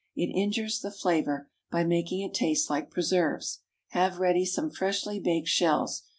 It injures the flavor, by making it taste like preserves. Have ready some freshly baked shells.